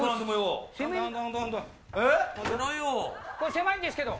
狭いんですけど。